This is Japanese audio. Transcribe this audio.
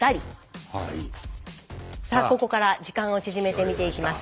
さあここから時間を縮めて見ていきます。